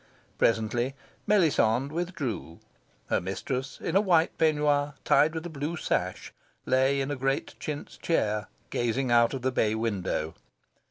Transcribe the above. Presently Melisande withdrew. Her mistress, in a white peignoir tied with a blue sash, lay in a great chintz chair, gazing out of the bay window.